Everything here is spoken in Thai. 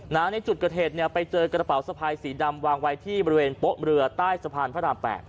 ในจุดเกิดเหตุเนี่ยไปเจอกระเป๋าสะพายสีดำวางไว้ที่บริเวณโป๊ะเรือใต้สะพานพระราม๘